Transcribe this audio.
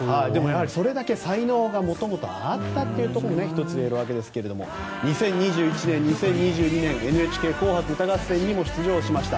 それだけ才能が元々あったというのが１つ言えるわけですが２０２１年、２０２２年「ＮＨＫ紅白歌合戦」にも出場しました。